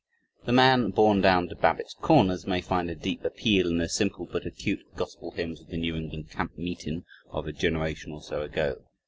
The man "born down to Babbitt's Corners," may find a deep appeal in the simple but acute "Gospel Hymns of the New England camp meetin'," of a generation or so ago.